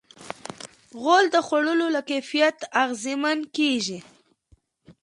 غول د خوړو له کیفیت اغېزمن کېږي.